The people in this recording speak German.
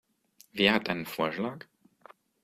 Wer hat einen Vorschlag?